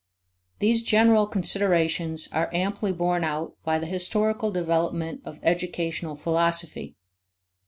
These general considerations are amply borne out by the historical development of educational philosophy.